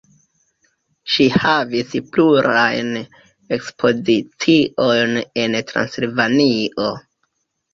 Ŝi havis plurajn ekspoziciojn en Transilvanio.